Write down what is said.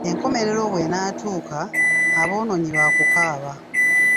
Enkomerero bw’enaatuuka, aboonoonyi baakukaaba.